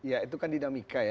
ya itu kan dinamika ya